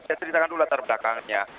saya ceritakan dulu latar belakangnya